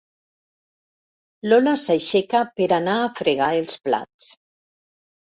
Lola s'aixeca per anar a fregar els plats.